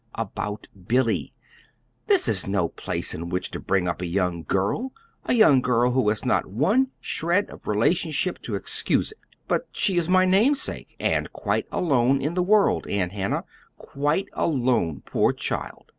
"About Billy. This is no place in which to bring up a young girl a young girl who has not one shred of relationship to excuse it." "But she is my namesake, and quite alone in the world, Aunt Hannah; quite alone poor child!"